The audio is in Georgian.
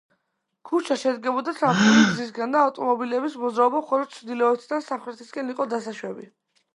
ქუჩა შედგებოდა ცალმხრივი გზისგან და ავტომობილების მოძრაობა მხოლოდ ჩრდილოეთიდან სამხრეთისკენ იყო დასაშვები.